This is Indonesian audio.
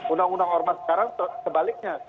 undang undang ormas sekarang sebaliknya